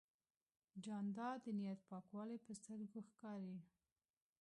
جانداد د نیت پاکوالی په سترګو ښکاري.